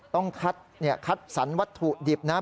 ต้องคลัดสรรวัตถุดิบนะฮะ